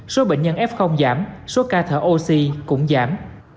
số bệnh nhân f giảm số ca thở oxy cũng giảm